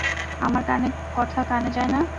আমার কথা কানে যায় না?